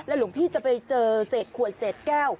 หลวงพี่จะไปเจอเศษขวดเศษแก้ว